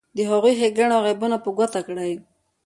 د هغو ښیګڼې او عیبونه په ګوته کړئ.